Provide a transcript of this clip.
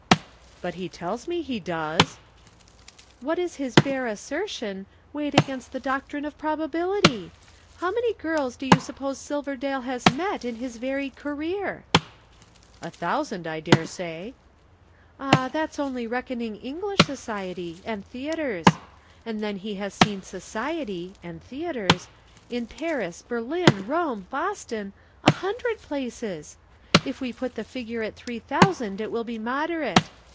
"But he tells me he does!" "What is his bare assertion weighed against the doctrine of probability! How many girls do you suppose Silverdale has met in his varied career?" "A thousand, I dare say." "Ah, that's only reckoning English Society (and theatres). And then he has seen Society (and theatres) in Paris, Berlin, Rome, Boston, a hundred places! If we put the figure at three thousand it will be moderate.